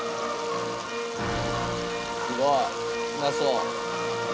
すごい！うまそう！